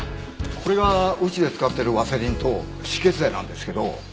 これがうちで使ってるワセリンと止血剤なんですけど。